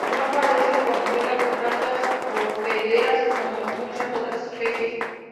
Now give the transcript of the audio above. No parecen reconocer las plantas hospederas, como muchas otras especies.